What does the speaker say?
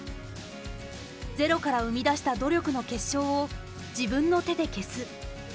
ゼロから生み出した努力の結晶を自分の手で消す。